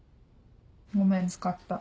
ごめん使った。